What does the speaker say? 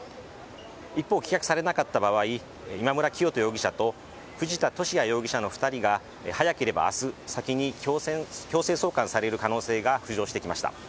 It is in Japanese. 一方、棄却されなかった場合今村磨人容疑者と藤田聖也容疑者の２人が早ければ明日、先に強制送還される可能性が浮上してきました。